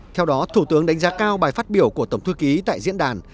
theo đó thủ tướng đánh giá cao bài phát biểu của tổng thư ký tại diễn đàn